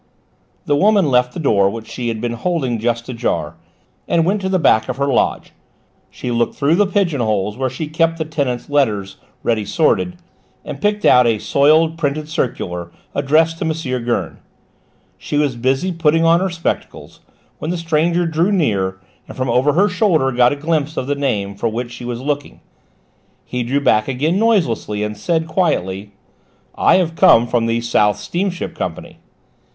The woman left the door, which she had been holding just ajar, and went to the back of her lodge; she looked through the pigeon holes where she kept the tenants' letters ready sorted, and picked out a soiled printed circular addressed to M. Gurn. She was busy putting on her spectacles when the stranger drew near and from over her shoulder got a glimpse of the name for which she was looking. He drew back again noiselessly, and said quietly: "I have come from the South Steamship Company."